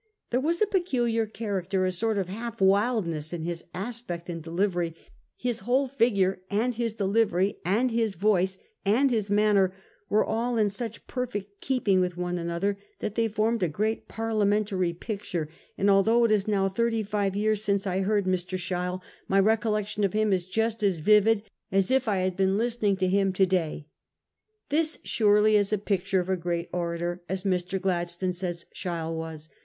There was a peculiar character, a sort of half wildness in his aspect and delivery ; his whole figure, and his delivery and his voice and his matter were all in such perfect keeping with one another that they formed a great Parliamentary picture ; and although it is now thirty five years since I heard Mr. Sheil, my recollection of him is just as vivid as if I had been listening to him to day.' This surely is a picture of a great orator, as Mr. Gladstone says Sheil was.